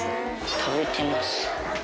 食べてます。